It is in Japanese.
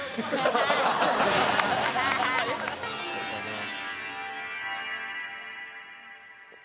いただきます。